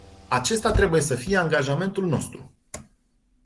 Acesta trebuie să fie angajamentul nostru.